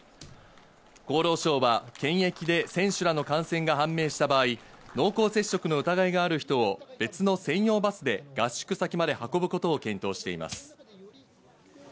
厚労省は検疫で選手らの感染が判明した場合、濃厚接触の疑いがある人を別の専用バスで合宿先まで運ぶことを検討しています。